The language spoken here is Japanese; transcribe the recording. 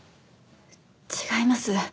違います。